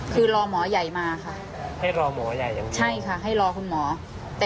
คือรอหมอใหญ่มาค่ะ